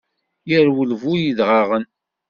Irwel i bu yedɣaɣen.